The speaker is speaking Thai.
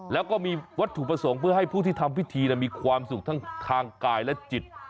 แล้วก็มีวัตถุประสงค์เพื่อให้ผู้ที่ทำพิธีมีความสุขทั้งทางกายและจิต